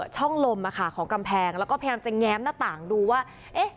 ช่องลมของกำแพงแล้วก็พยายามจะแง้มหน้าต่างดูว่า